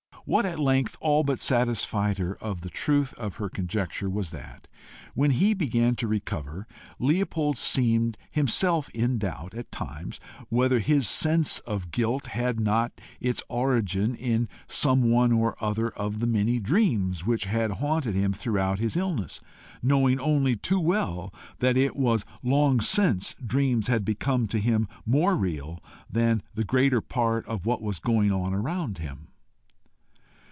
And what at length all but satisfied her of the truth of her conjecture was that, when he began to recover, Leopold seemed himself in doubt at times whether his sense of guilt had not its origin in some one or other of the many dreams which had haunted him throughout his illness, knowing only too well that it was long since dreams had become to him more real than the greater part of what was going on around him.